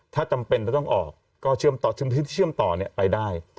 ถ้าจำเป็นจะต้องออกก็เชื่อมต่อไปได้